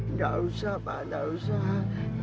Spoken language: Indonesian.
nggak usah pak nggak usah